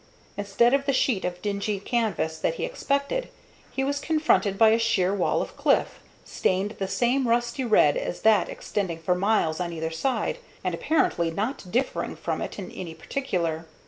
Instead of the sheet of dingy canvas that he expected, he was confronted by a sheer wall of cliff, stained the same rusty red as that extending for miles on either side, and apparently not differing from it in any particular.